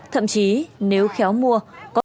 thậm chí nếu khéo mua có